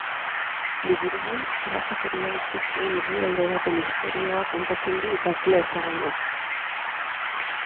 Liburuan arrazakeria utzi zuen herrialde baten istorioa kontatzen du idazle ezagunak.